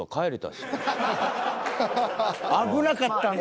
危なかったんだ。